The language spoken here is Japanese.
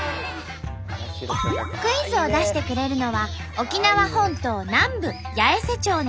クイズを出してくれるのは沖縄本島南部八重瀬町の子どもたち。